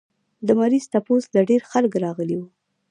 د مريض تپوس له ډېر خلق راغلي وو